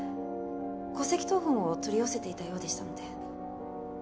戸籍謄本を取り寄せていたようでしたので。